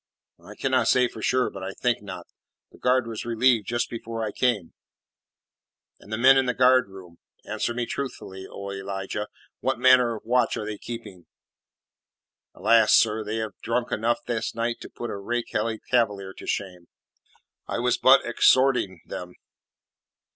"I cannot say for sure, but I think not. The guard was relieved just before I came." "And the men in the guardroom answer me truthfully, O Elijah what manner of watch are they keeping?" "Alas, sir, they have drunk enough this night to put a rakehelly Cavalier to shame. I was but exhorting them."